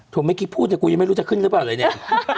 ธุไม่คิดพูดแต่กูยังไม่รู้จะขึ้นหรือเปล่าไรนี่